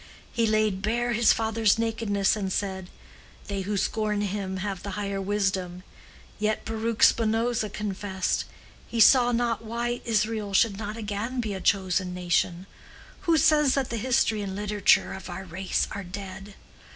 He laid bare his father's nakedness and said, 'They who scorn him have the higher wisdom.' Yet Baruch Spinoza confessed, he saw not why Israel should not again be a chosen nation. Who says that the history and literature of our race are dead?